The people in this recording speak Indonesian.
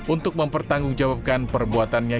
untuk mempertanggungjawabkan perbuatannya